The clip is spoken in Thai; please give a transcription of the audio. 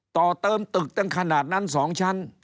ต่อเติมตึกตั้งขนาดนั้น๒ชั้น